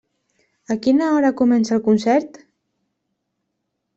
A quina hora comença el concert?